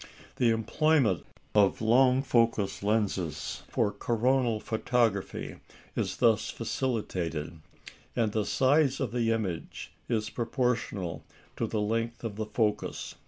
The employment of long focus lenses for coronal photography is thus facilitated, and the size of the image is proportional to the length of the focus.